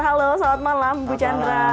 halo selamat malam bu chandra